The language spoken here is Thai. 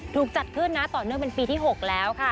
ถูกจัดขึ้นนะต่อเนื่องเป็นปีที่๖แล้วค่ะ